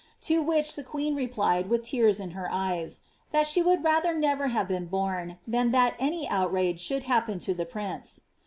To wl the queea replied, with tears in her eyes,' " That she would rather never hare been born, than that any outrage ibouhl hnppen tn tht prince."